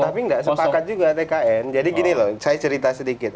tapi nggak sepakat juga tkn jadi gini loh saya cerita sedikit